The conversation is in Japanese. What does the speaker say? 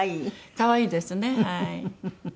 可愛いですねはい。